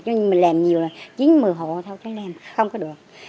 chứ mình làm nhiều là chín mươi hộ thôi cháu làm không có được